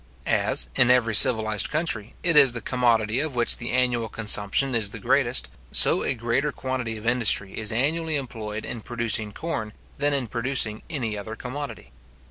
As, in every civilized country, it is the commodity of which the annual consumption is the greatest; so a greater quantity of industry is annually employed in producing corn than in producing any other commodity.